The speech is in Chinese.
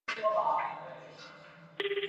许育瑞为其外孙。